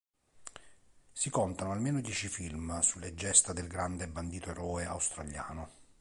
Si contano almeno dieci film sulle gesta del grande bandito-eroe australiano.